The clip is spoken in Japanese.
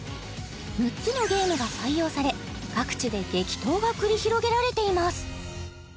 ６つのゲームが採用され各地で激闘が繰り広げられています